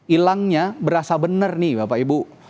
ilangnya berasa benar nih bapak ibu